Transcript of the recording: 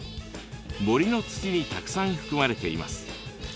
森の土にたくさん含まれています。